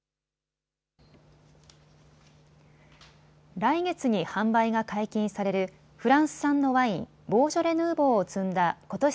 来月に販売が解禁されるフランス産のワイン、ボージョレ・ヌーボーを積んだことし